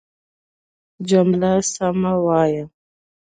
جمله سمه وايه!